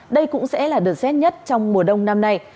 đây cũng sẽ là đợt rét nhất trong mùa đông năm nay